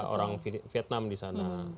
orang vietnam di sana